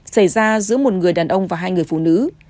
xảy ra giữa một người đàn ông và hai người phụ nữ